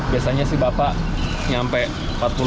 biasanya si bapak sampai